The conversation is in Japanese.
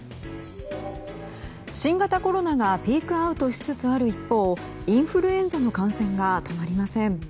新型コロナがピークアウトしつつある一方インフルエンザの感染が止まりません。